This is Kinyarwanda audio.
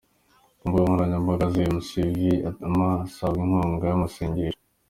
Ku mbuga nkoranyambaga ze Mc V anyuzaho amatangazo asaba inkunga y'amasengesho.